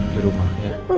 di rumah ya